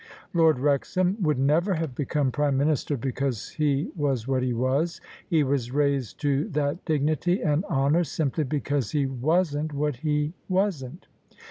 Lord Wrexham would never have become Prime Minis ter because he was what he was: he was raised to that dignity and honour simply because he wasn't what he wasn't.